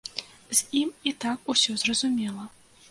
З ім і так усё зразумела.